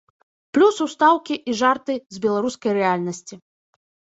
Плюс ўстаўкі і жарты з беларускай рэальнасці.